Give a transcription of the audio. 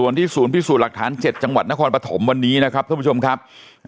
นะครับ